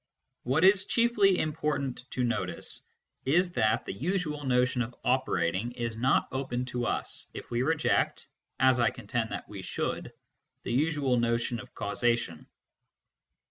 What is chiefly im portant to notice is that the usual notion of " operating " is not open to us if we reject, as I contend that we should, the usual notion of causation.